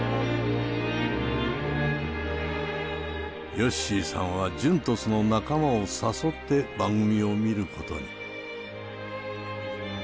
よっしーさんはＪＵＮＴＯＳの仲間を誘って番組を見ることに。